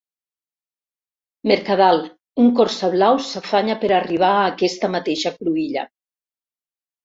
Mercadal un Corsa blau s'afanya per arribar a aquesta mateixa cruïlla.